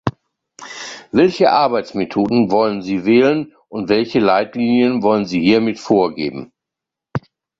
Welche Arbeitsmethoden wollen Sie wählen und welche Leitlinien wollen Sie hiermit vorgeben?